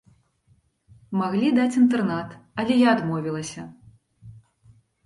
Маглі даць інтэрнат, але я адмовілася.